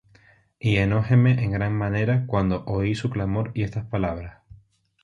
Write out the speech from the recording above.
Y enojéme en gran manera cuando oí su clamor y estas palabras.